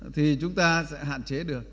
thì chúng ta sẽ hạn chế được